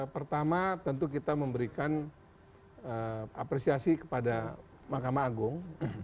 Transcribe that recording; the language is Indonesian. pertama tentu kita memberikan apresiasi kepada mahkamah agung